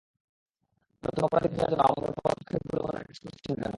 নতুন অপরাধী খোঁজার জন্য আমাদের পদক্ষেপগুলো পুনরায় ট্রেস করছি না কেন?